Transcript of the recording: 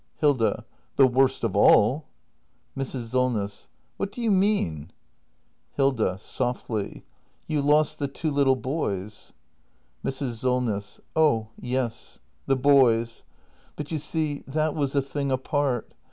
Hilda. The worst of all. Mrs. Solness. What do you mean ? Hilda. [Softly.] You lost the two little boys. Mrs. Solness. Oh yes, the boys. But, you see, that was a thing apart.